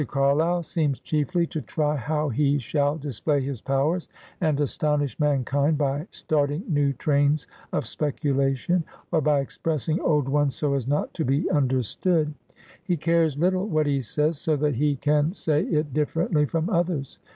Carlyle seems chiefly to try how he shall display his powers, and astonish mankind by starting new trains of specula tion, or by expressing old ones so as not to be under stood. He cares little what he says, so that he can say it differently from others.